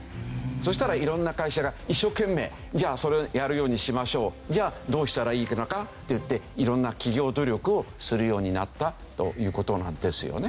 そしたら色んな会社が一生懸命じゃあそれをやるようにしましょうじゃあどうしたらいいのかっていって色んな企業努力をするようになったという事なんですよね。